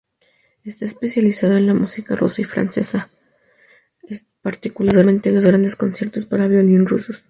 Está especializado en música rusa y francesa, particularmente los grandes conciertos para violín rusos.